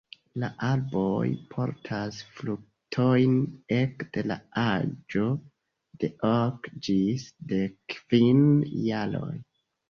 La arboj portas fruktojn ekde la aĝo de ok ĝis dek kvin jaroj.